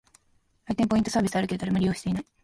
来店ポイントサービスあるけど、誰も利用してない